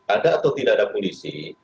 ada atau tidak ada polisi